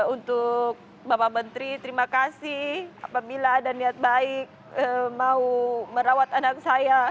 untuk bapak menteri terima kasih apabila ada niat baik mau merawat anak saya